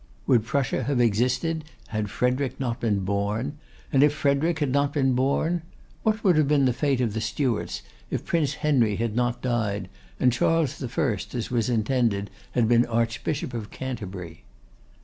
Would Prussia have existed had Frederick not been born? And if Frederick had not been born? What would have been the fate of the Stuarts if Prince Henry had not died, and Charles I., as was intended, had been Archbishop of Canterbury?